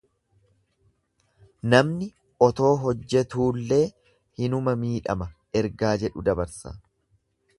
Namni otoo hojjetuullee hinuma miidhama ergaa jedhu dabarsa.